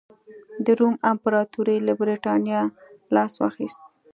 د روم امپراتورۍ له برېټانیا لاس واخیست